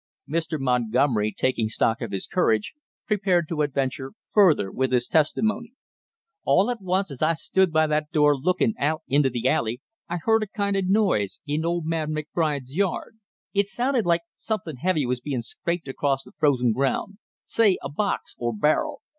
Mr. Montgomery, taking stock of his courage, prepared to adventure further with his testimony. "All at once as I stood by that door lookin' out into the alley, I heard a kind of noise in old man McBride's yard. It sounded like something heavy was bein' scraped across the frozen ground, say a box or barrel.